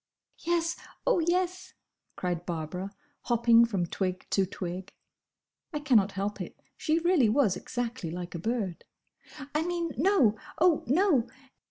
"Yes! oh, yes!" cried Barbara, hopping from twig to twig. (I cannot help it: she really was exactly like a bird!) "I mean, No! oh, no!"